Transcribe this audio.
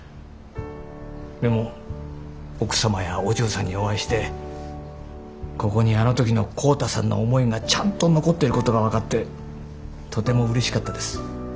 でも奥様やお嬢さんにお会いしてここにあの時の浩太さんの思いがちゃんと残っていることが分かってとてもうれしかったです。